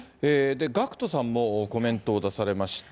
ＧＡＣＫＴさんもコメントを出されました。